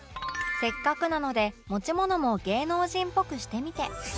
せっかくなので持ち物も芸能人っぽくしてみて